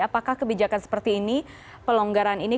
apakah kebijakan seperti ini pelonggaran ini